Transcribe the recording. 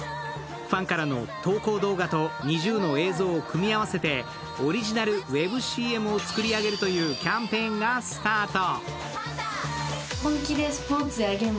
ファンからの投稿動画とＮｉｚｉＵの映像を組み合わせてオリジナルウェブＣＭを作り上げるというキャンペーンがスタート。